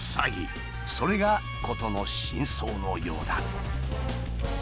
それが事の真相のようだ。